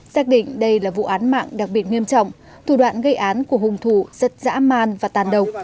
xác định đây là vụ án mạng đặc biệt nghiêm trọng thủ đoạn gây án của hùng thủ rất dã man và tàn độc